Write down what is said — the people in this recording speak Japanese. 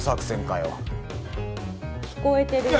聞こえてるよ。